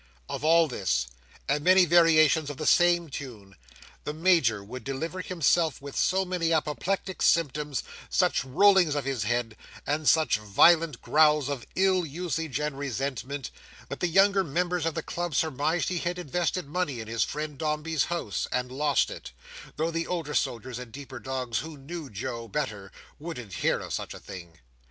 Of all this, and many variations of the same tune, the Major would deliver himself with so many apoplectic symptoms, such rollings of his head, and such violent growls of ill usage and resentment, that the younger members of the club surmised he had invested money in his friend Dombey's House, and lost it; though the older soldiers and deeper dogs, who knew Joe better, wouldn't hear of such a thing.